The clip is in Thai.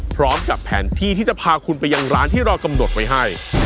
พร้อมกับแผนที่ที่จะพาคุณไปยังร้านที่เรากำหนดไว้ให้